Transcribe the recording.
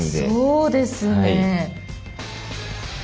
そうですね。